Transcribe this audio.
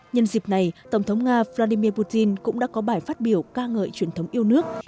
nhân dịp này tổng thống nga vladimir putin cũng đã có bài phát biểu ca ngợi truyền thống yêu nước